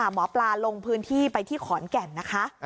หมอปลาลงพื้นที่ไปที่ขอนแก่นนะคะ